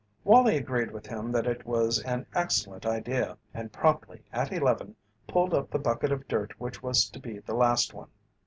Wallie agreed with him that it was an excellent idea and promptly at eleven pulled up the bucket of dirt which was to be the last one.